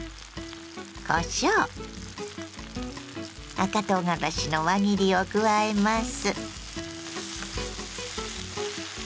赤とうがらしの輪切りを加えます。